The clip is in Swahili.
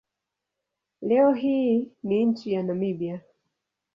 Leo hii ni nchi ya Namibia.